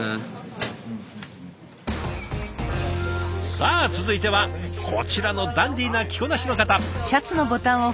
さあ続いてはこちらのダンディーな着こなしの方。